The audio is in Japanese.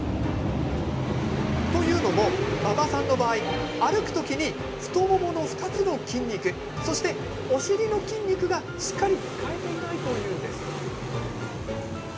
というのも馬場さんの場合歩く時に太ももの２つの筋肉そして、お尻の筋肉がしっかり使えていないというんです。